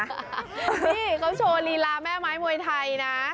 นี่เขาโชว์ลีลาแม่ไม้มวยไทยนะ